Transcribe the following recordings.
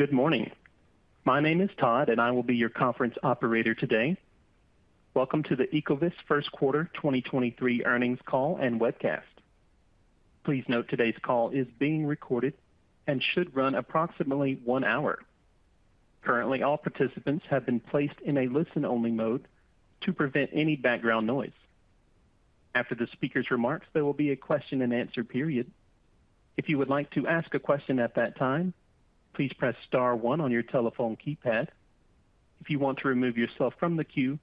Good morning. My name is Todd, and I will be your conference operator today. Welcome to the Ecovyst first quarter 2023 earnings call and webcast. Please note today's call is being recorded and should run approximately one hour. Currently, all participants have been placed in a listen-only mode to prevent any background noise. After the speaker's remarks, there will be a question-and-answer period. If you would like to ask a question at that time, please press star one on your telephone keypad. If you want to remove yourself from the queue,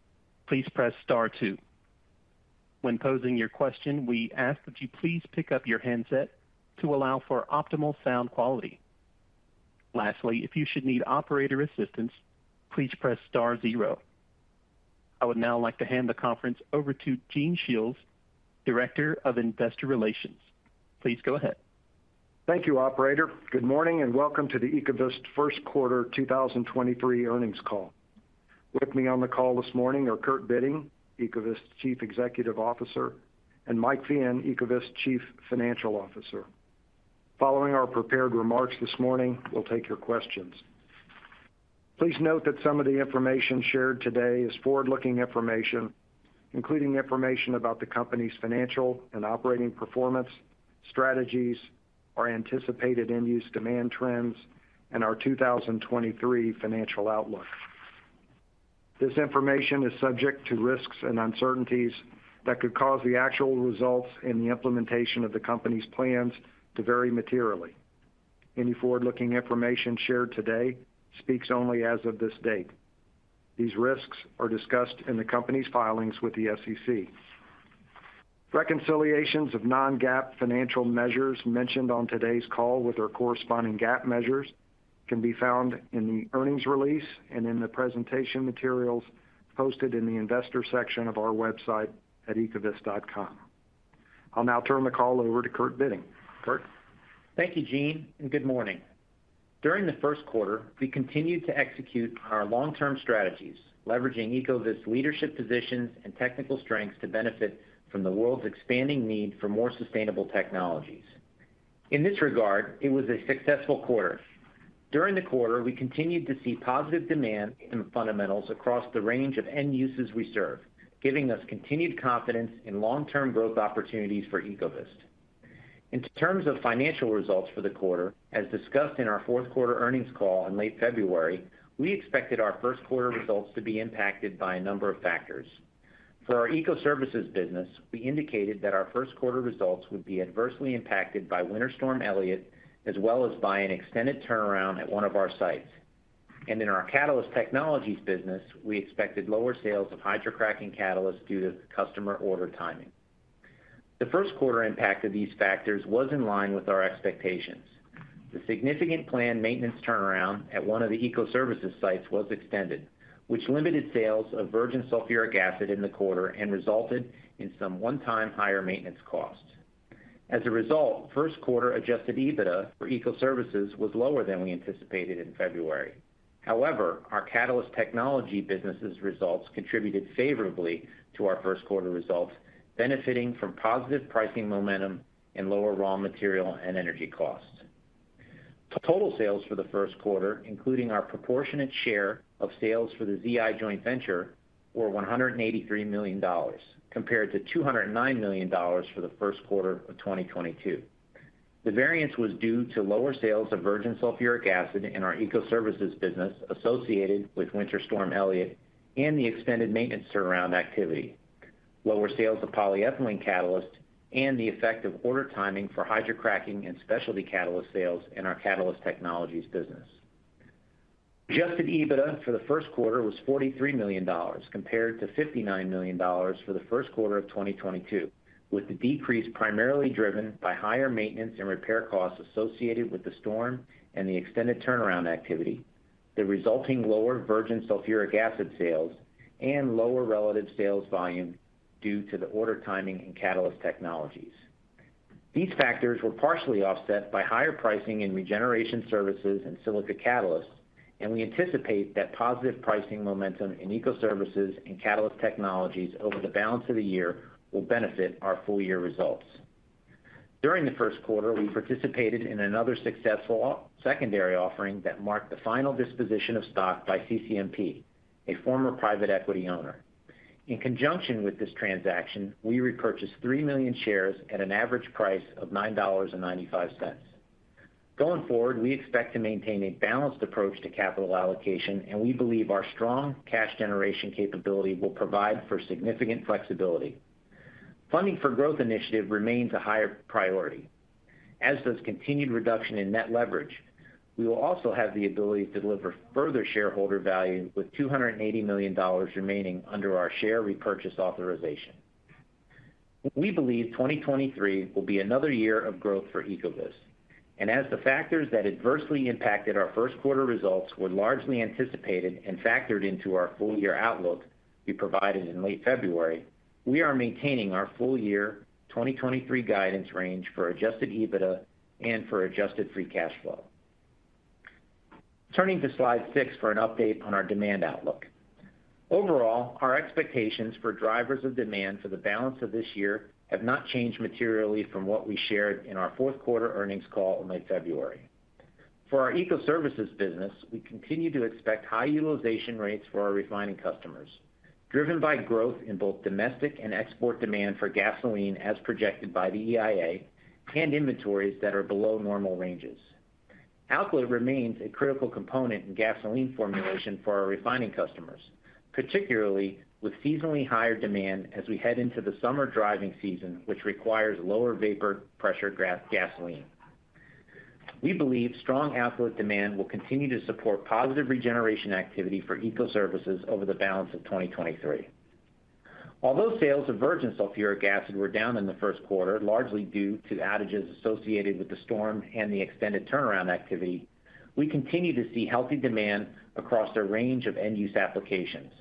please press star two. When posing your question, we ask that you please pick up your handset to allow for optimal sound quality. Lastly, if you should need operator assistance, please press star zero. I would now like to hand the conference over to Gene Shiels, Director of Investor Relations. Please go ahead. Thank you, Operator. Good morning and welcome to the Ecovyst first quarter 2023 earnings call. With me on the call this morning are Kurt Bitting, Ecovyst Chief Executive Officer, and Mike Feehan, Ecovyst Chief Financial Officer. Following our prepared remarks this morning, we'll take your questions. Please note that some of the information shared today is forward-looking information, including information about the company's financial and operating performance, strategies, our anticipated end-use demand trends, and our 2023 financial outlook. This information is subject to risks and uncertainties that could cause the actual results and the implementation of the company's plans to vary materially. Any forward-looking information shared today speaks only as of this date. These risks are discussed in the company's filings with the SEC. Reconciliations of non-GAAP financial measures mentioned on today's call with our corresponding GAAP measures can be found in the earnings release and in the presentation materials posted in the investor section of our website at ecovyst.com. I'll now turn the call over to Kurt Bitting. Kurt? Thank you, Gene. Good morning. During the first quarter, we continued to execute our long-term strategies, leveraging Ecovyst leadership positions and technical strengths to benefit from the world's expanding need for more sustainable technologies. In this regard, it was a successful quarter. During the quarter, we continued to see positive demand and fundamentals across the range of end uses we serve, giving us continued confidence in long-term growth opportunities for Ecovyst. In terms of financial results for the quarter, as discussed in our fourth quarter earnings call in late February, we expected our first quarter results to be impacted by a number of factors. For our Ecoservices business, we indicated that our first quarter results would be adversely impacted by Winter Storm Elliott, as well as by an extended turnaround at one of our sites. In our Catalyst Technologies business, we expected lower sales of hydrocracking catalysts due to customer order timing. The first quarter impact of these factors was in line with our expectations. The significant planned maintenance turnaround at one of the Ecoservices sites was extended, which limited sales of virgin sulfuric acid in the quarter and resulted in some one-time higher maintenance costs. As a result, first quarter Adjusted EBITDA for Ecoservices was lower than we anticipated in February. However, our Catalyst Technologies business' results contributed favorably to our first quarter results, benefiting from positive pricing momentum and lower raw material and energy costs. Total sales for the first quarter, including our proportionate share of sales for the Zeolyst joint venture, were $183 million compared to $209 million for the first quarter of 2022. The variance was due to lower sales of virgin sulfuric acid in our Ecoservices business associated with Winter Storm Elliott and the extended maintenance turnaround activity, lower sales of polyethylene catalyst, and the effect of order timing for hydrocracking and specialty catalyst sales in our Catalyst Technologies business. Adjusted EBITDA for the first quarter was $43 million compared to $59 million for the first quarter of 2022, with the decrease primarily driven by higher maintenance and repair costs associated with the storm and the extended turnaround activity, the resulting lower virgin sulfuric acid sales, and lower relative sales volume due to the order timing in Catalyst Technologies. We anticipate that positive pricing momentum in Ecoservices and Catalyst Technologies over the balance of the year will benefit our full year results. During the first quarter, we participated in another successful secondary offering that marked the final disposition of stock by CCMP, a former private equity owner. In conjunction with this transaction, we repurchased 3 million shares at an average price of $9.95. Going forward, we expect to maintain a balanced approach to capital allocation. We believe our strong cash generation capability will provide for significant flexibility. Funding for growth initiative remains a higher priority, as does continued reduction in net leverage. We will also have the ability to deliver further shareholder value with $280 million remaining under our share repurchase authorization. We believe 2023 will be another year of growth for Ecovyst. As the factors that adversely impacted our first quarter results were largely anticipated and factored into our full year outlook we provided in late February, we are maintaining our full year 2023 guidance range for Adjusted EBITDA and for Adjusted Free Cash Flow. Turning to Slide 6 for an update on our demand outlook. Overall, our expectations for drivers of demand for the balance of this year have not changed materially from what we shared in our fourth quarter earnings call in late February. For our Ecoservices business, we continue to expect high utilization rates for our refining customers, driven by growth in both domestic and export demand for gasoline as projected by the EIA, and inventories that are below normal ranges. Alky remains a critical component in gasoline formulation for our refining customers, particularly with seasonally higher demand as we head into the summer driving season, which requires lower vapor pressure gasoline. We believe strong alky demand will continue to support positive regeneration activity for Ecoservices over the balance of 2023. Although sales of virgin sulfuric acid were down in the first quarter, largely due to outages associated with the storm and the extended turnaround activity, we continue to see healthy demand across a range of end-use applications.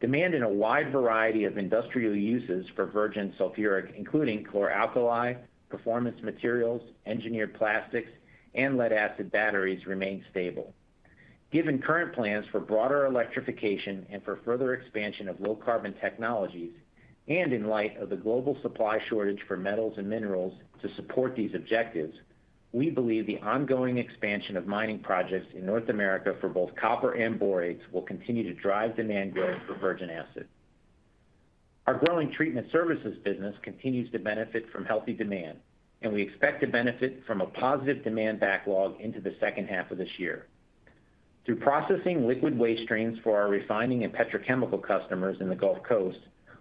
Demand in a wide variety of industrial uses for virgin sulfuric, including chlor-alkali, performance materials, engineered plastics, and lead-acid batteries remain stable. Given current plans for broader electrification and for further expansion of low carbon technologies, and in light of the global supply shortage for metals and minerals to support these objectives, we believe the ongoing expansion of mining projects in North America for both copper and borates will continue to drive demand growth for virgin acid. Our growing treatment services business continues to benefit from healthy demand, and we expect to benefit from a positive demand backlog into the second half of this year. Through processing liquid waste streams for our refining and petrochemical customers in the Gulf Coast,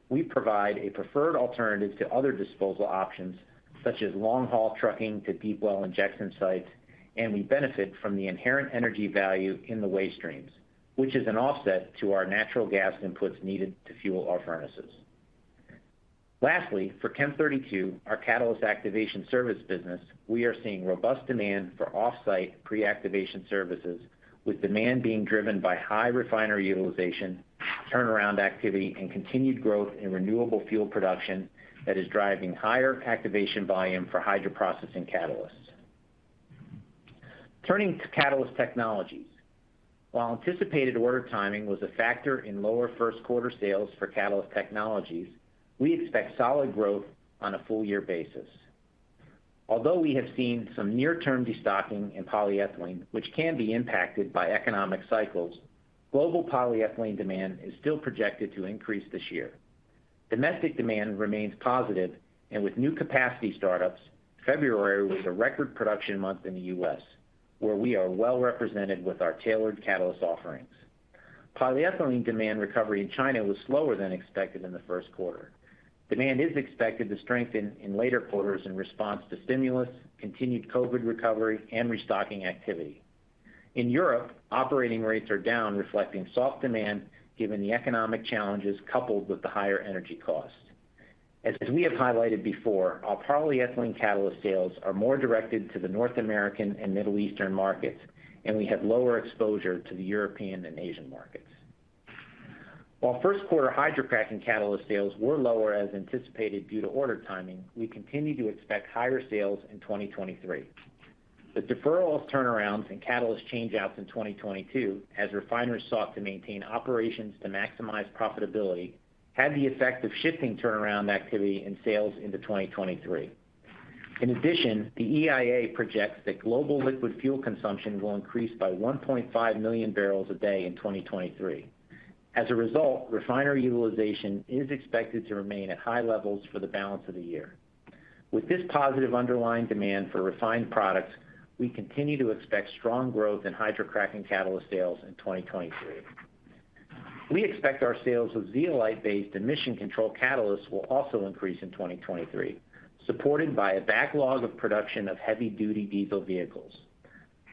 we provide a preferred alternative to other disposal options, such as long-haul trucking to deep well injection sites, and we benefit from the inherent energy value in the waste streams, which is an offset to our natural gas inputs needed to fuel our furnaces. Lastly, for Chem32, our catalyst activation service business, we are seeing robust demand for off-site pre-activation services, with demand being driven by high refinery utilization, turnaround activity, and continued growth in renewable fuel production that is driving higher activation volume for hydroprocessing catalysts. Turning to Catalyst Technologies. While anticipated order timing was a factor in lower first quarter sales for Catalyst Technologies, we expect solid growth on a full year basis. Although we have seen some near-term destocking in polyethylene, which can be impacted by economic cycles, global polyethylene demand is still projected to increase this year. Domestic demand remains positive, and with new capacity startups, February was a record production month in the U.S., where we are well represented with our tailored catalyst offerings. Polyethylene demand recovery in China was slower than expected in the first quarter. Demand is expected to strengthen in later quarters in response to stimulus, continued COVID recovery, and restocking activity. In Europe, operating rates are down, reflecting soft demand given the economic challenges coupled with the higher energy costs. As we have highlighted before, our polyethylene catalyst sales are more directed to the North American and Middle Eastern markets, and we have lower exposure to the European and Asian markets. While first quarter hydrocracking catalyst sales were lower as anticipated due to order timing, we continue to expect higher sales in 2023. The deferral of turnarounds and catalyst change-outs in 2022, as refiners sought to maintain operations to maximize profitability, had the effect of shifting turnaround activity and sales into 2023. In addition, the EIA projects that global liquid fuel consumption will increase by 1.5 million barrels a day in 2023. As a result, refinery utilization is expected to remain at high levels for the balance of the year. With this positive underlying demand for refined products, we continue to expect strong growth in hydrocracking catalyst sales in 2023. We expect our sales of zeolite-based emission control catalysts will also increase in 2023, supported by a backlog of production of heavy-duty diesel vehicles.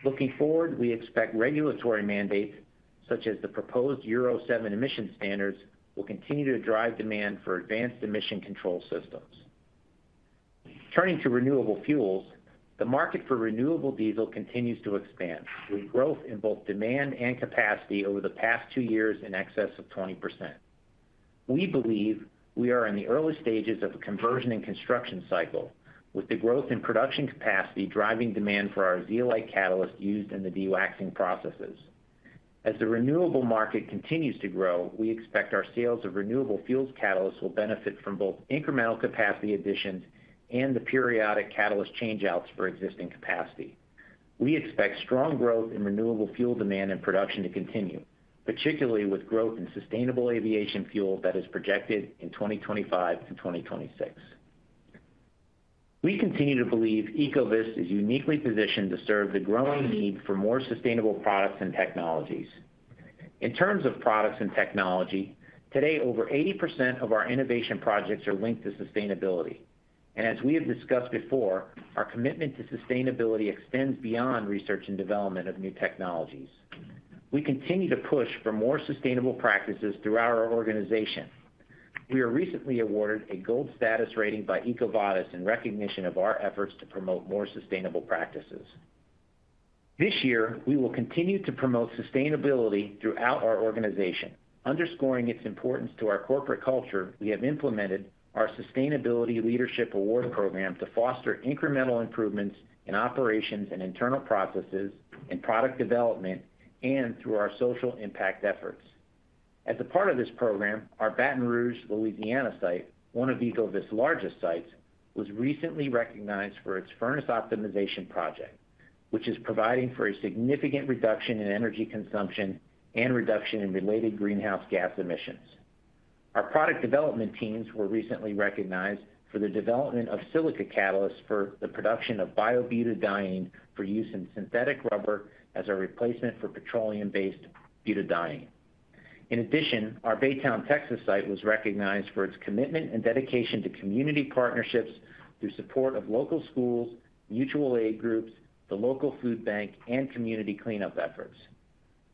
Looking forward, we expect regulatory mandates, such as the proposed Euro 7 emission standards, will continue to drive demand for advanced emission control systems. Turning to renewable fuels, the market for renewable diesel continues to expand, with growth in both demand and capacity over the past 2 years in excess of 20%. We believe we are in the early stages of a conversion and construction cycle, with the growth in production capacity driving demand for our zeolite catalyst used in the dewaxing processes. As the renewable market continues to grow, we expect our sales of renewable fuels catalysts will benefit from both incremental capacity additions and the periodic catalyst change-outs for existing capacity. We expect strong growth in renewable fuel demand and production to continue, particularly with growth in sustainable aviation fuel that is projected in 2025-2026. We continue to believe Ecovyst is uniquely positioned to serve the growing need for more sustainable products and technologies. In terms of products and technology, today over 80% of our innovation projects are linked to sustainability. And as we have discussed before, our commitment to sustainability extends beyond research and development of new technologies. We continue to push for more sustainable practices throughout our organization. We were recently awarded a gold status rating by EcoVadis in recognition of our efforts to promote more sustainable practices. This year, we will continue to promote sustainability throughout our organization. Underscoring its importance to our corporate culture, we have implemented our Sustainability Leadership Award program to foster incremental improvements in operations and internal processes, in product development, and through our social impact efforts. As a part of this program, our Baton Rouge, Louisiana site, one of Ecovyst's largest sites, was recently recognized for its furnace optimization project, which is providing for a significant reduction in energy consumption and reduction in related greenhouse gas emissions. Our product development teams were recently recognized for the development of silica catalysts for the production of bio-butadiene for use in synthetic rubber as a replacement for petroleum-based butadiene. In addition, our Baytown, Texas site was recognized for its commitment and dedication to community partnerships through support of local schools, mutual aid groups, the local food bank, and community cleanup efforts.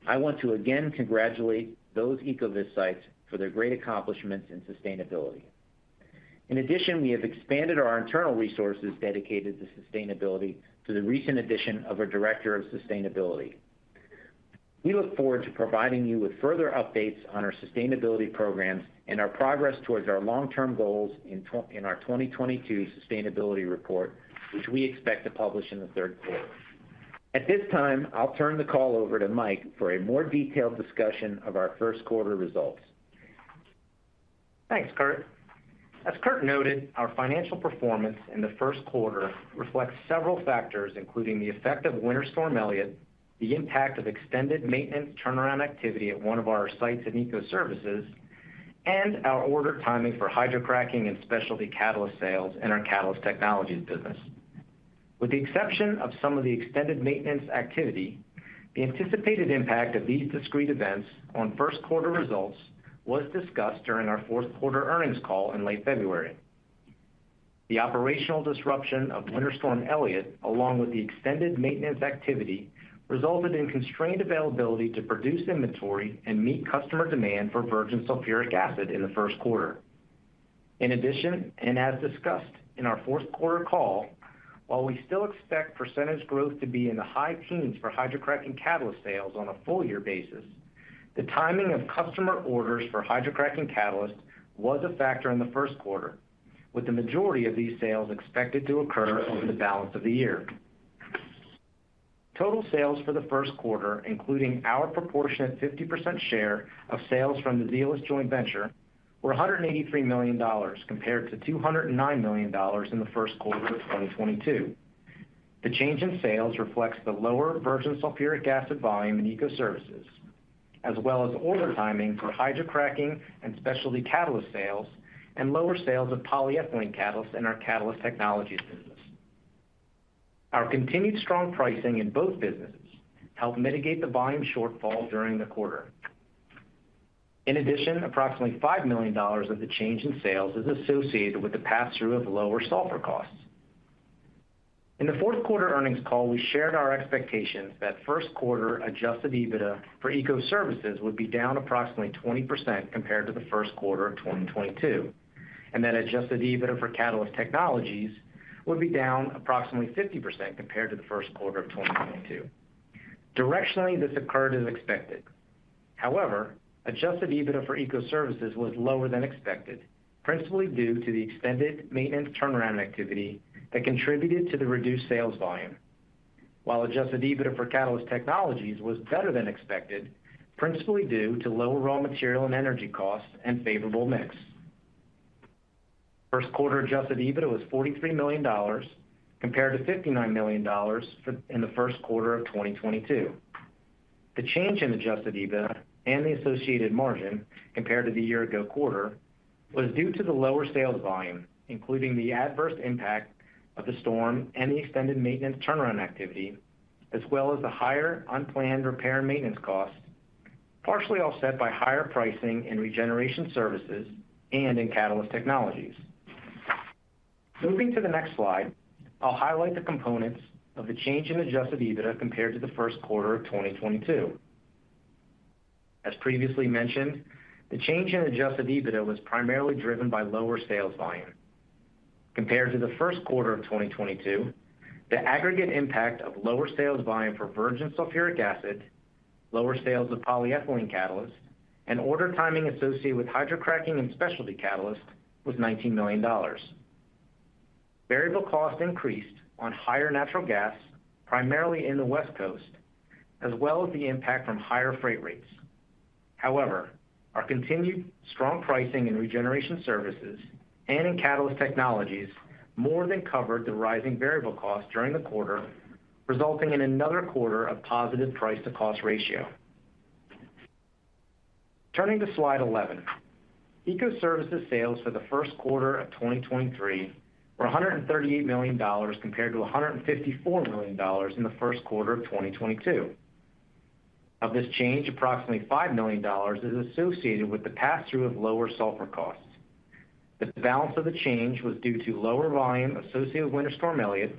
I want to again congratulate those Ecovyst sites for their great accomplishments in sustainability. In addition, we have expanded our internal resources dedicated to sustainability through the recent addition of our Director of Sustainability. We look forward to providing you with further updates on our sustainability programs and our progress towards our long-term goals in our 2022 sustainability report, which we expect to publish in the third quarter. At this time, I'll turn the call over to Mike for a more detailed discussion of our first quarter results. Thanks, Kurt. As Kurt noted, our financial performance in the first quarter reflects several factors, including the effect of Winter Storm Elliott, the impact of extended maintenance turnaround activity at one of our sites in Ecoservices, and our order timing for hydrocracking and specialty catalyst sales in our Catalyst Technologies business. With the exception of some of the extended maintenance activity, the anticipated impact of these discrete events on first quarter results was discussed during our fourth quarter earnings call in late February. The operational disruption of Winter Storm Elliott, along with the extended maintenance activity, resulted in constrained availability to produce inventory and meet customer demand for virgin sulfuric acid in the first quarter. In addition, as discussed in our fourth quarter call, while we still expect percentage growth to be in the high teens for hydrocracking catalyst sales on a full year basis, the timing of customer orders for hydrocracking catalysts was a factor in the first quarter, with the majority of these sales expected to occur over the balance of the year. Total sales for the first quarter, including our proportionate 50% share of sales from the Zeolyst joint venture, were $183 million compared to $209 million in the first quarter of 2022. The change in sales reflects the lower virgin sulfuric acid volume in Ecoservices, as well as order timing for hydrocracking and specialty catalyst sales and lower sales of polyethylene catalysts in our Catalyst Technologies business. Our continued strong pricing in both businesses helped mitigate the volume shortfall during the quarter. In addition, approximately $5 million of the change in sales is associated with the pass-through of lower sulfur costs. In the fourth quarter earnings call, we shared our expectations that first quarter Adjusted EBITDA for Ecoservices would be down approximately 20% compared to the first quarter of 2022, and that Adjusted EBITDA for Catalyst Technologies would be down approximately 50% compared to the first quarter of 2022. Directionally, this occurred as expected. However, Adjusted EBITDA for Ecoservices was lower than expected, principally due to the extended maintenance turnaround activity that contributed to the reduced sales volume, while Adjusted EBITDA for Catalyst Technologies was better than expected, principally due to lower raw material and energy costs and favorable mix. First quarter Adjusted EBITDA was $43 million compared to $59 million in the first quarter of 2022. The change in Adjusted EBITDA and the associated margin compared to the year ago quarter was due to the lower sales volume, including the adverse impact of the storm and the extended maintenance turnaround activity, as well as the higher unplanned repair and maintenance costs, partially offset by higher pricing in regeneration services and in Catalyst Technologies. Moving to the next slide, I'll highlight the components of the change in Adjusted EBITDA compared to the first quarter of 2022. As previously mentioned, the change in Adjusted EBITDA was primarily driven by lower sales volume. Compared to the first quarter of 2022, the aggregate impact of lower sales volume for virgin sulfuric acid, lower sales of polyethylene catalysts, and order timing associated with hydrocracking and specialty catalysts was $19 million. Variable costs increased on higher natural gas, primarily in the West Coast, as well as the impact from higher freight rates. Our continued strong pricing in regeneration services and in Catalyst Technologies more than covered the rising variable costs during the quarter, resulting in another quarter of positive price to cost ratio. Turning to Slide 11. Ecoservices sales for the first quarter of 2023 were $138 million compared to $154 million in the first quarter of 2022. Of this change, approximately $5 million is associated with the pass-through of lower sulfur costs. The balance of the change was due to lower volume associated with Winter Storm Elliott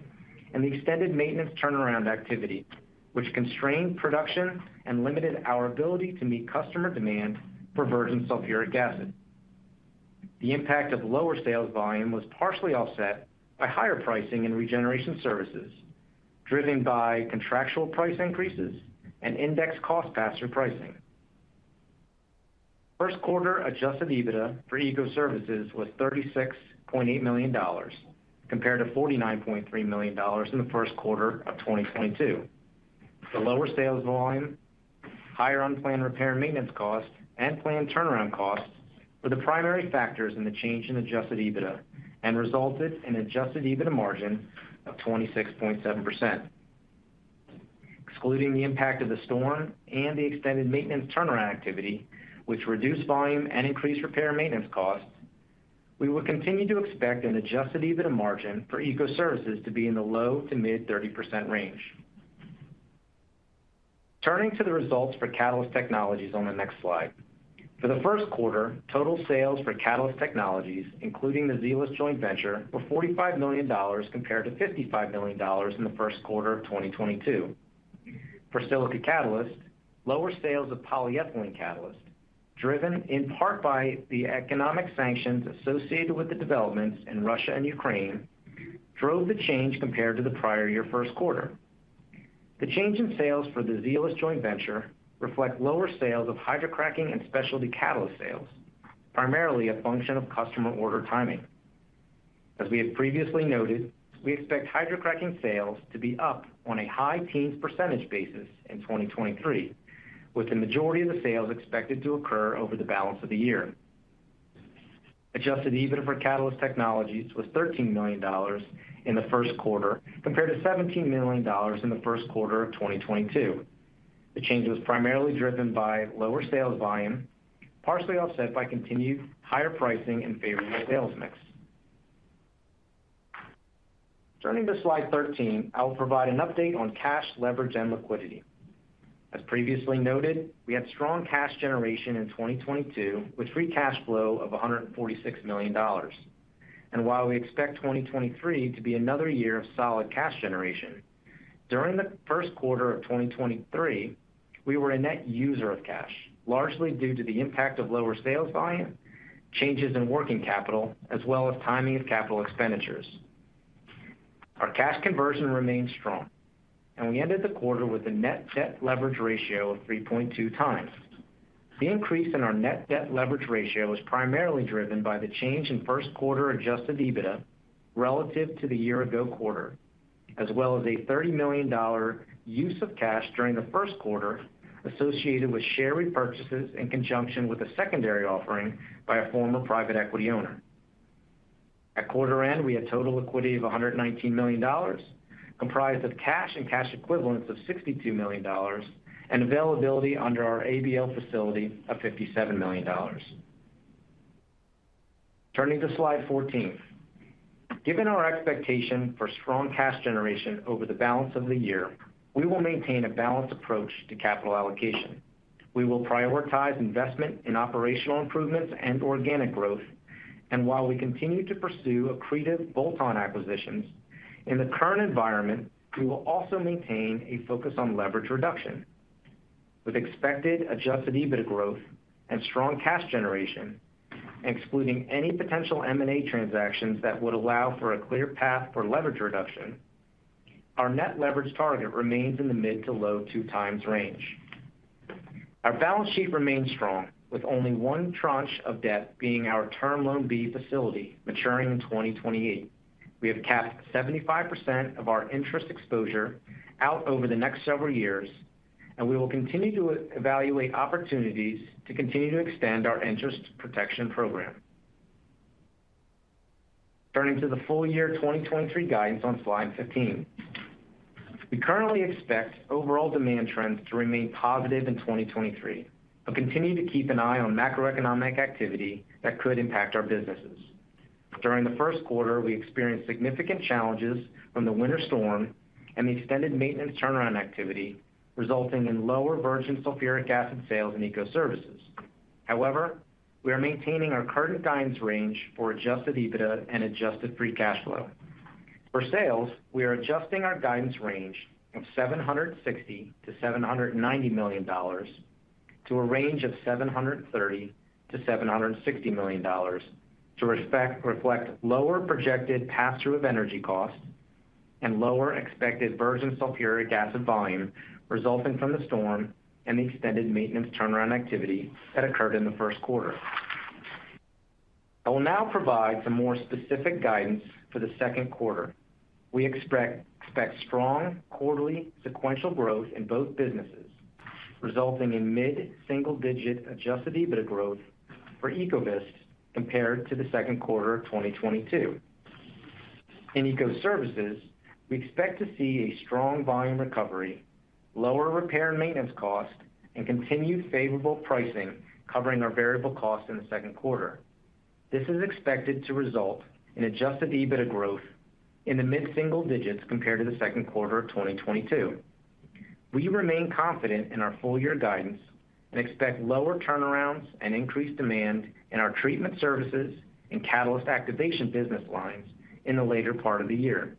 and the extended maintenance turnaround activity, which constrained production and limited our ability to meet customer demand for virgin sulfuric acid. The impact of lower sales volume was partially offset by higher pricing in regeneration services, driven by contractual price increases and indexed cost pass-through pricing. First quarter Adjusted EBITDA for Ecoservices was $36.8 million compared to $49.3 million in the first quarter of 2022. The lower sales volume, higher unplanned repair and maintenance costs and planned turnaround costs were the primary factors in the change in Adjusted EBITDA and resulted in Adjusted EBITDA margin of 26.7%. Excluding the impact of the storm and the extended maintenance turnaround activity, which reduced volume and increased repair and maintenance costs, we will continue to expect an Adjusted EBITDA margin for Ecoservices to be in the low to mid 30% range. Turning to the results for Catalyst Technologies on the next slide. For the first quarter, total sales for Catalyst Technologies, including the Zeolyst joint venture, were $45 million compared to $55 million in the first quarter of 2022. For silica catalyst, lower sales of polyethylene catalyst, driven in part by the economic sanctions associated with the developments in Russia and Ukraine, drove the change compared to the prior year first quarter. The change in sales for the Zeolyst joint venture reflect lower sales of hydrocracking and specialty catalyst sales, primarily a function of customer order timing. As we have previously noted, we expect hydrocracking sales to be up on a high teens % basis in 2023, with the majority of the sales expected to occur over the balance of the year. Adjusted EBITDA for Catalyst Technologies was $13 million in the first quarter compared to $17 million in the first quarter of 2022. The change was primarily driven by lower sales volume, partially offset by continued higher pricing and favorable sales mix. Turning to Slide 13, I will provide an update on cash leverage and liquidity. As previously noted, we had strong cash generation in 2022 with free cash flow of $146 million. While we expect 2023 to be another year of solid cash generation, during the first quarter of 2023, we were a net user of cash, largely due to the impact of lower sales volume, changes in working capital, as well as timing of capital expenditures. Our cash conversion remains strong, and we ended the quarter with a net debt leverage ratio of 3.2x. The increase in our net debt leverage ratio was primarily driven by the change in first quarter Adjusted EBITDA relative to the year ago quarter, as well as a $30 million use of cash during the first quarter associated with share repurchases in conjunction with a secondary offering by a former private equity owner. At quarter end, we had total liquidity of $119 million, comprised of cash and cash equivalents of $62 million and availability under our ABL facility of $57 million. Turning to Slide 14. Given our expectation for strong cash generation over the balance of the year, we will maintain a balanced approach to capital allocation. We will prioritize investment in operational improvements and organic growth. While we continue to pursue accretive bolt-on acquisitions, in the current environment, we will also maintain a focus on leverage reduction. With expected Adjusted EBITDA growth and strong cash generation, excluding any potential M&A transactions that would allow for a clear path for leverage reduction, our net leverage target remains in the mid to low 2x range. Our balance sheet remains strong, with only one tranche of debt being our Term Loan B facility maturing in 2028. We have capped 75% of our interest exposure out over the next several years. We will continue to evaluate opportunities to continue to expand our interest protection program. Turning to the full year 2023 guidance on Slide 15. We currently expect overall demand trends to remain positive in 2023, continue to keep an eye on macroeconomic activity that could impact our businesses. During the first quarter, we experienced significant challenges from the Winter Storm Elliott and the extended maintenance turnaround activity, resulting in lower virgin sulfuric acid sales in Ecoservices. We are maintaining our current guidance range for Adjusted EBITDA and Adjusted Free Cash Flow. For sales, we are adjusting our guidance range from $760 million to $790 million to reflect lower projected passthrough of energy costs and lower expected virgin sulfuric acid volume resulting from the storm and the extended maintenance turnaround activity that occurred in the first quarter. I will now provide some more specific guidance for the second quarter. We expect strong quarterly sequential growth in both businesses, resulting in mid-single digit Adjusted EBITDA growth for Ecovyst compared to the second quarter of 2022. In Ecoservices, we expect to see a strong volume recovery, lower repair and maintenance cost, and continued favorable pricing covering our variable costs in the second quarter. This is expected to result in Adjusted EBITDA growth in the mid-single digits compared to the second quarter of 2022. We remain confident in our full year guidance and expect lower turnarounds and increased demand in our treatment services and catalyst activation business lines in the later part of the year.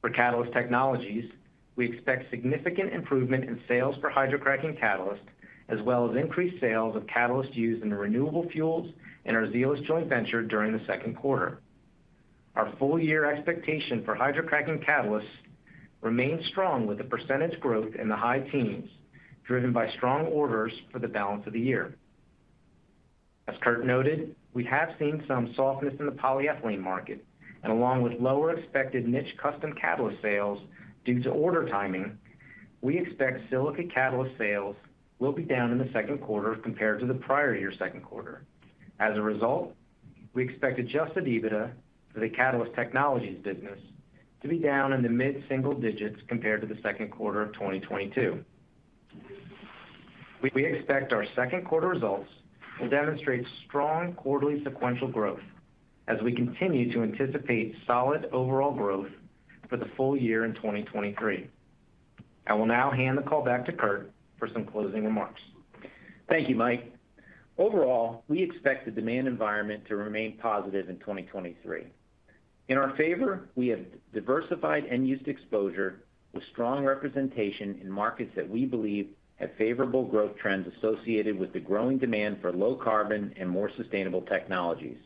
For Catalyst Technologies, we expect significant improvement in sales for hydrocracking catalyst as well as increased sales of catalyst used in the renewable fuels in our Zeolyst joint venture during the second quarter. Our full year expectation for hydrocracking catalysts remains strong with the percentage growth in the high teens driven by strong orders for the balance of the year. As Kurt noted, we have seen some softness in the polyethylene market and along with lower expected niche custom catalyst sales due to order timing, we expect silica catalyst sales will be down in the second quarter compared to the prior year second quarter. As a result, we expect Adjusted EBITDA for the Catalyst Technologies business to be down in the mid-single digits compared to the second quarter of 2022. We expect our second quarter results will demonstrate strong quarterly sequential growth as we continue to anticipate solid overall growth for the full year in 2023. I will now hand the call back to Kurt for some closing remarks. Thank you, Mike. Overall, we expect the demand environment to remain positive in 2023. In our favor, we have diversified end-use exposure with strong representation in markets that we believe have favorable growth trends associated with the growing demand for low carbon and more sustainable technologies.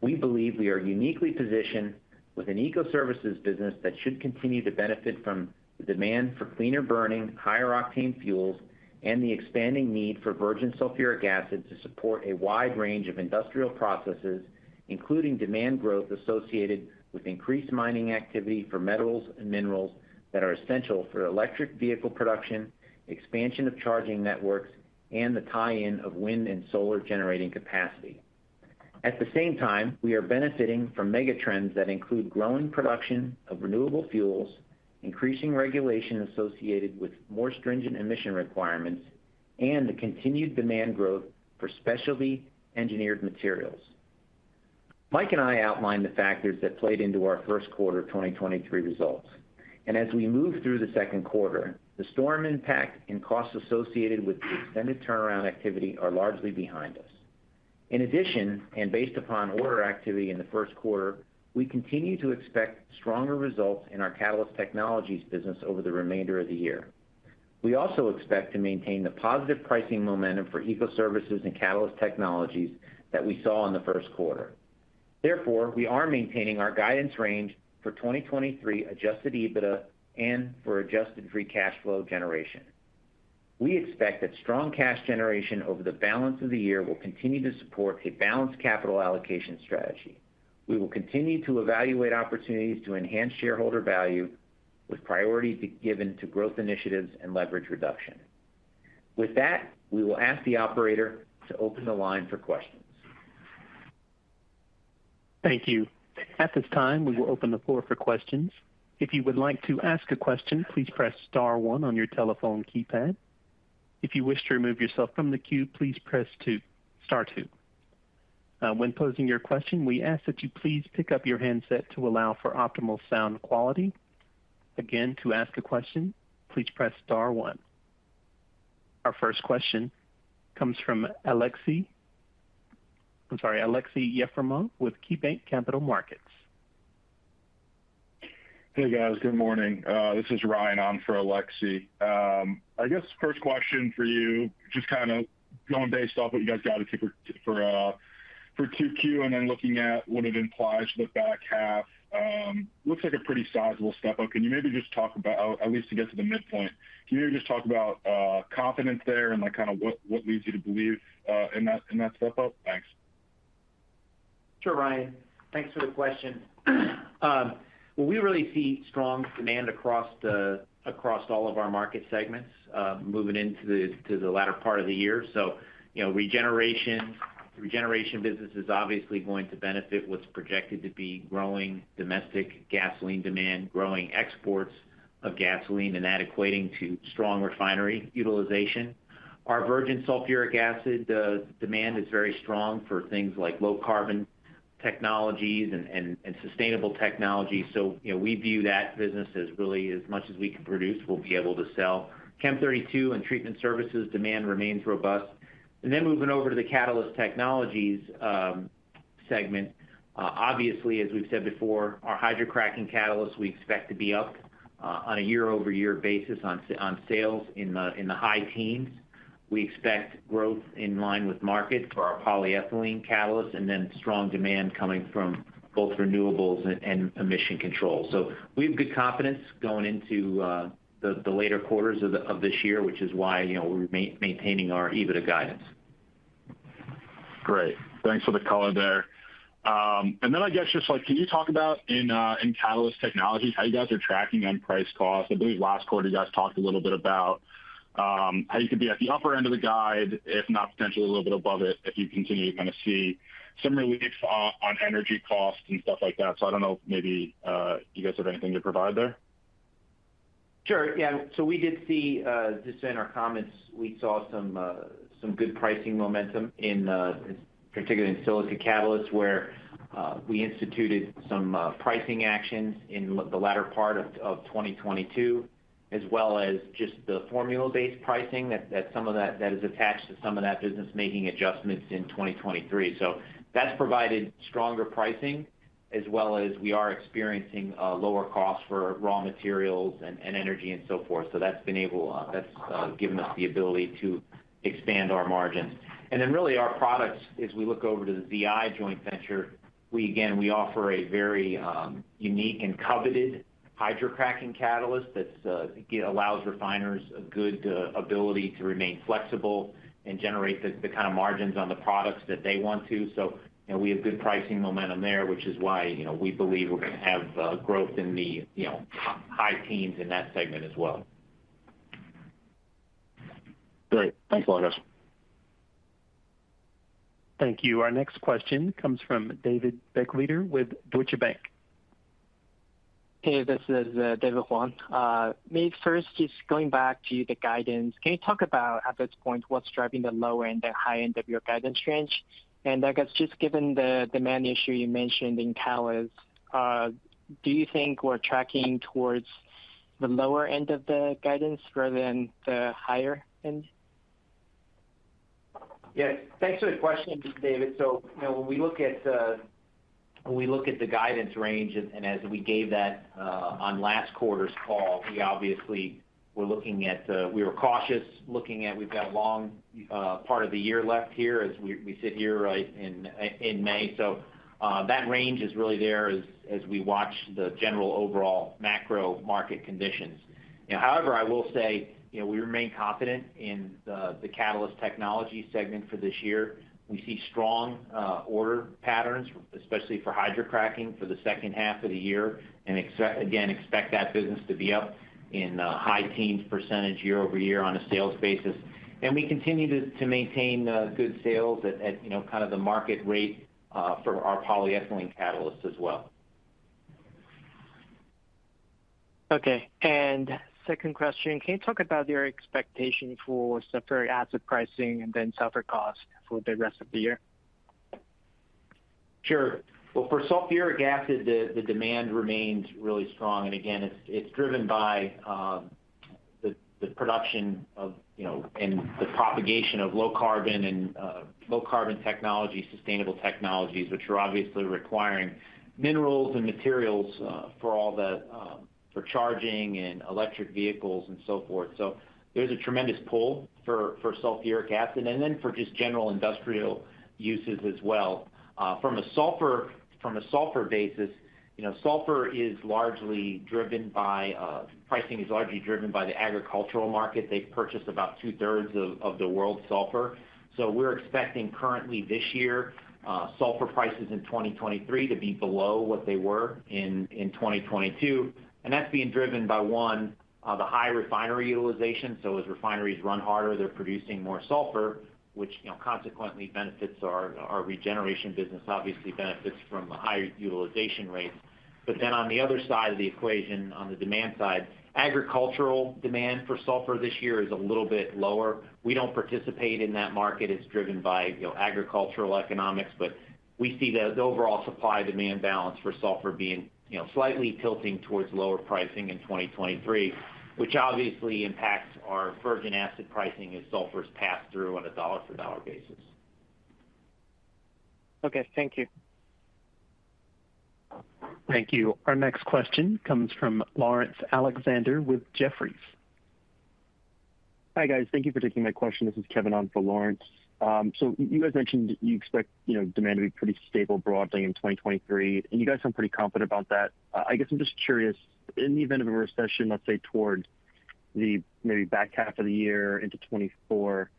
We believe we are uniquely positioned with an Ecoservices business that should continue to benefit from the demand for cleaner burning, higher octane fuels, and the expanding need for virgin sulfuric acid to support a wide range of industrial processes, including demand growth associated with increased mining activity for metals and minerals that are essential for electric vehicle production, expansion of charging networks, and the tie-in of wind and solar generating capacity. At the same time, we are benefiting from mega trends that include growing production of renewable fuels, increasing regulation associated with more stringent emission requirements, and the continued demand growth for specialty engineered materials. Mike and I outlined the factors that played into our first quarter of 2023 results. As we move through the second quarter, the storm impact and costs associated with the extended turnaround activity are largely behind us. In addition, based upon order activity in the first quarter, we continue to expect stronger results in our Catalyst Technologies business over the remainder of the year. We also expect to maintain the positive pricing momentum for Ecoservices and Catalyst Technologies that we saw in the first quarter. Therefore, we are maintaining our guidance range for 2023 Adjusted EBITDA and for Adjusted Free Cash Flow generation. We expect that strong cash generation over the balance of the year will continue to support a balanced capital allocation strategy. We will continue to evaluate opportunities to enhance shareholder value with priority be given to growth initiatives and leverage reduction. With that, we will ask the Operator to open the line for questions. Thank you. At this time, we will open the floor for questions. If you would like to ask a question, please press star one on your telephone keypad. If you wish to remove yourself from the queue, please press star two. When posing your question, we ask that you please pick up your handset to allow for optimal sound quality. Again, to ask a question, please press star one. Our first question comes from I'm sorry, Aleksey Yefremov with KeyBanc Capital Markets. Hey, guys. Good morning. This is Ryan on for Aleksey. I guess first question for you, just kinda going based off what you guys guided for Q2 and then looking at what it implies for the back half, looks like a pretty sizable step-up. Can you maybe just talk about, at least to get to the midpoint, can you just talk about confidence there and, like, kinda what leads you to believe in that step-up? Thanks. Sure, Ryan. Thanks for the question. Well, we really see strong demand across all of our market segments, moving into the latter part of the year. You know, regeneration business is obviously going to benefit what's projected to be growing domestic gasoline demand, growing exports of gasoline, and that equating to strong refinery utilization. Our virgin sulfuric acid demand is very strong for things like low carbon technologies and sustainable technology. You know, we view that business as really, as much as we can produce, we'll be able to sell. Chem32 and treatment services demand remains robust. Moving over to the Catalyst Technologies segment, obviously, as we've said before, our hydrocracking catalyst we expect to be up on a year-over-year basis on sales in the high teens. We expect growth in line with market for our polyethylene catalyst, then strong demand coming from both renewables and emission control. We have good confidence going into the later quarters of this year, which is why, you know, we're maintaining our EBITDA guidance. Great. Thanks for the color there. I guess just, like, can you talk about in Catalyst Technologies, how you guys are tracking on price costs? I believe last quarter you guys talked a little bit about how you could be at the upper end of the guide, if not potentially a little bit above it, if you continue to kinda see some relief on energy costs and stuff like that. I don't know if maybe you guys have anything to provide there. Sure. Yeah. We did see, just in our comments, we saw some good pricing momentum in particularly in silica catalysts, where we instituted some pricing actions in the latter part of 2022, as well as just the formula-based pricing that some of that is attached to some of that business making adjustments in 2023. That's provided stronger pricing as well as we are experiencing lower costs for raw materials and energy and so forth. That's given us the ability to expand our margins. Really our products, as we look over to the Zeolyst joint venture, we again, we offer a very unique and coveted hydrocracking catalyst that allows refiners a good ability to remain flexible and generate the kind of margins on the products that they want to. You know, we have good pricing momentum there, which is why, you know, we believe we're gonna have growth in the, you know, high, high teens in that segment as well. Great. Thanks a lot. Thank you. Our next question comes from David Begleiter with Deutsche Bank. Hey, this is David Huang. Maybe first just going back to the guidance. Can you talk about at this point what's driving the low end, the high end of your guidance range? I guess just given the demand issue you mentioned in catalyst, do you think we're tracking towards the lower end of the guidance rather than the higher end? Yeah. Thanks for the question, David. You know, when we look at, when we look at the guidance range, and, as we gave that, on last quarter's call, we obviously were looking at, we were cautious looking at we've got a long part of the year left here as we sit here, right, in May. That range is really there as we watch the general overall macro market conditions. You know, however, I will say, you know, we remain confident in the Catalyst Technologies segment for this year. We see strong order patterns, especially for hydrocracking for the second half of the year, and expect that business to be up in high teens % year-over-year on a sales basis. We continue to maintain good sales at, you know, kind of the market rate for our polyethylene catalyst as well. Okay. Second question, can you talk about your expectation for sulfuric acid pricing and then sulfur cost for the rest of the year? Well, for sulfuric acid, the demand remains really strong, and again, it's driven by the production of, you know, and the propagation of low carbon and low carbon technology, sustainable technologies, which are obviously requiring minerals and materials for all the for charging and electric vehicles and so forth. There's a tremendous pull for sulfuric acid and then for just general industrial uses as well. From a sulfur basis, you know, sulfur is largely driven by pricing is largely driven by the agricultural market. They've purchased about 2/3 of the world's sulfur. We're expecting currently this year, sulfur prices in 2023 to be below what they were in 2022. That's being driven by one, the high refinery utilization. As refineries run harder, they're producing more sulfur, which, you know, consequently benefits our regeneration business, obviously benefits from the higher utilization rates. On the other side of the equation, on the demand side, agricultural demand for sulfur this year is a little bit lower. We don't participate in that market. It's driven by, you know, agricultural economics. We see the overall supply-demand balance for sulfur being, you know, slightly tilting towards lower pricing in 2023, which obviously impacts our virgin acid pricing as sulfur is passed through on a dollar-for-dollar basis. Okay. Thank you. Thank you. Our next question comes from Laurence Alexander with Jefferies. Hi, guys. Thank you for taking my question. This is Kevin on for Laurence. So you guys mentioned you expect, you know, demand to be pretty stable broadly in 2023, and you guys sound pretty confident about that. I guess I'm just curious, in the event of a recession, let's say towards the maybe back half of the year into 2024,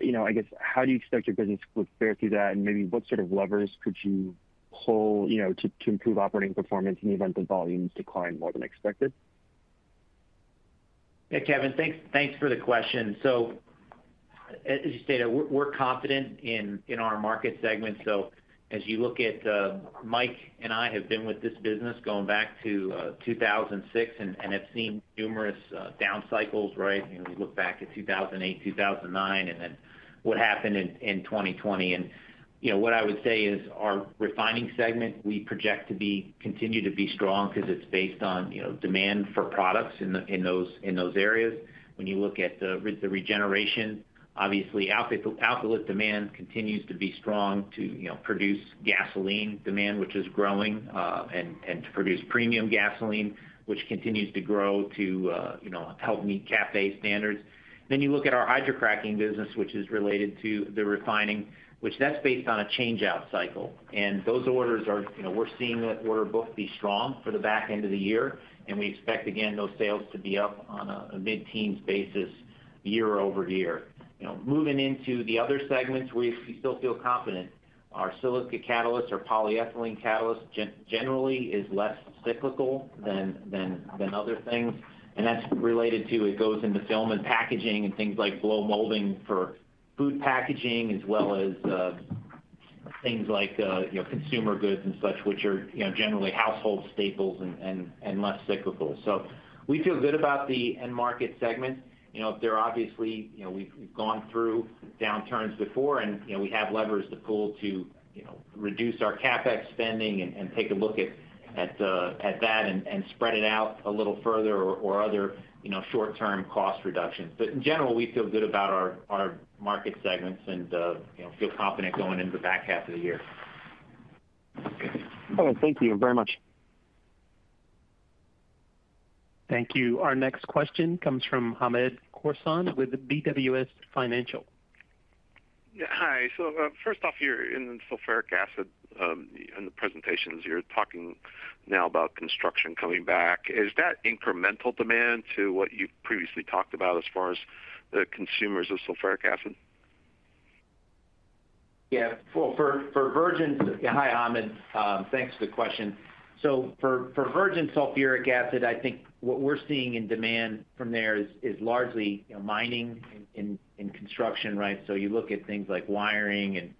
you know, I guess how do you expect your business would fare through that? Maybe what sort of levers could you pull, you know, to improve operating performance in the event that volumes decline more than expected? Hey, Kevin. Thanks for the question. As you stated, we're confident in our market segment. As you look at, Mike and I have been with this business going back to 2006 and have seen numerous down cycles, right? You know, we look back at 2008, 2009, and then what happened in 2020. You know, what I would say is our refining segment, we project to continue to be strong 'cause it's based on, you know, demand for products in those areas. When you look at the regeneration, obviously alkylate demand continues to be strong to, you know, produce gasoline demand, which is growing, and to produce premium gasoline, which continues to grow to, you know, help meet CAFE standards. You look at our hydrocracking business, which is related to the refining, which that's based on a change-out cycle. Those orders are, you know, we're seeing the order book be strong for the back end of the year, and we expect, again, those sales to be up on a mid-teens basis year-over-year. You know, moving into the other segments, we still feel confident. Our silica catalyst, our polyethylene catalyst generally is less cyclical than other things. That's related to, it goes into film and packaging and things like blow molding for food packaging as well as things like, you know, consumer goods and such, which are, you know, generally household staples and less cyclical. We feel good about the end market segment. You know, they're obviously, you know, we've gone through downturns before and, you know, we have levers to pull to, you know, reduce our CapEx spending and take a look at that and spread it out a little further or other, you know, short-term cost reductions. In general, we feel good about our market segments and, you know, feel confident going into the back half of the year. All right. Thank you very much. Thank you. Our next question comes from Hamed Khorsand with BWS Financial. Yeah. Hi. First off, you're in sulfuric acid, in the presentations, you're talking now about construction coming back. Is that incremental demand to what you've previously talked about as far as the consumers of sulfuric acid? Yeah. Well, for virgin. Hi, Ahmed. Thanks for the question. For virgin sulfuric acid, I think what we're seeing in demand from there is largely, you know, mining and construction, right? You look at things like wiring and,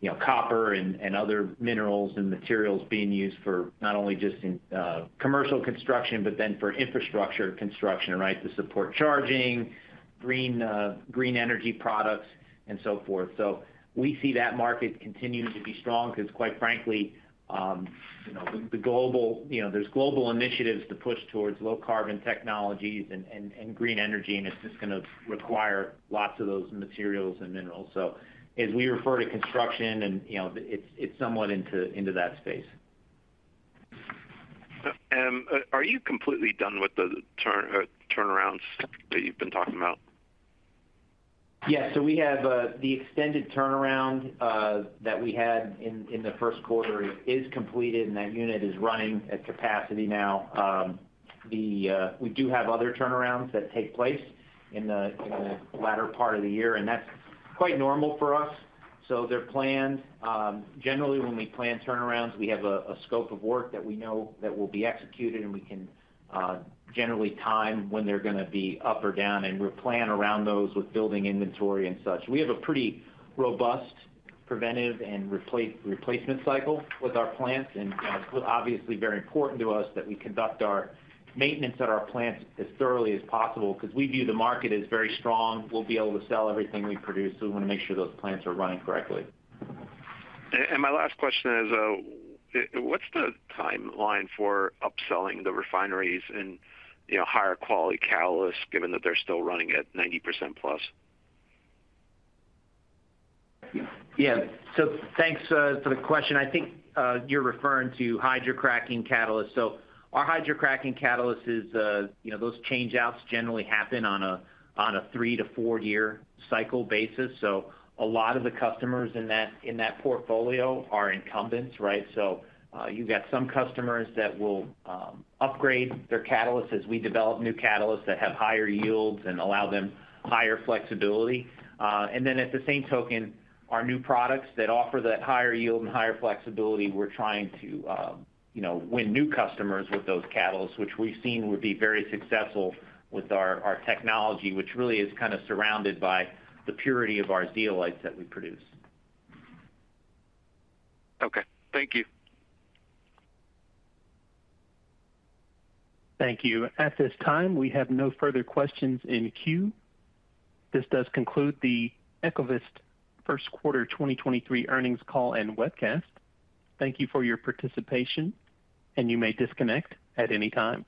you know, copper and other minerals and materials being used for not only just in commercial construction, but for infrastructure construction, right? To support charging, green energy products, and so forth. We see that market continuing to be strong because quite frankly, you know, the global. You know, there's global initiatives to push towards low carbon technologies and green energy, it's just gonna require lots of those materials and minerals. As we refer to construction and, you know, it's somewhat into that space. Are you completely done with the turnarounds that you've been talking about? Yeah. We have the extended turnaround that we had in the first quarter is completed, and that unit is running at capacity now. We do have other turnarounds that take place in the latter part of the year, and that's quite normal for us, so they're planned. Generally, when we plan turnarounds, we have a scope of work that we know that will be executed, and we can generally time when they're gonna be up or down, and we plan around those with building inventory and such. We have a pretty robust preventive and replacement cycle with our plants. Obviously very important to us that we conduct our maintenance at our plants as thoroughly as possible because we view the market as very strong. We'll be able to sell everything we produce. We wanna make sure those plants are running correctly. My last question is, what's the timeline for upselling the refineries and, you know, higher quality catalysts given that they're still running at 90%+? Thanks for the question. I think you're referring to hydrocracking catalysts. Our hydrocracking catalyst is, you know, those change-outs generally happen on a 3-4 year cycle basis. A lot of the customers in that portfolio are incumbents, right? You've got some customers that will upgrade their catalysts as we develop new catalysts that have higher yields and allow them higher flexibility. At the same token, our new products that offer that higher yield and higher flexibility, we're trying to, you know, win new customers with those catalysts, which we've seen would be very successful with our technology, which really is kind of surrounded by the purity of our zeolites that we produce. Okay. Thank you. Thank you. At this time, we have no further questions in queue. This does conclude the Ecovyst first quarter 2023 earnings call and webcast. Thank you for your participation, and you may disconnect at any time.